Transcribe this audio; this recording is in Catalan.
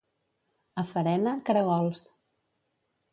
A Farena, caragols.